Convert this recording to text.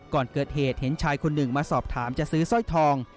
ก่อนเกิดเหตุเห็นชายคนหนึ่งมาสอบถามจะซื้อสร้อยทอง